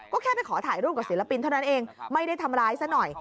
ก็แค่ไปขอถ่ายรูปกับศิลปินเท่านั้นเองไม่ได้ทำร้ายซะหน่อย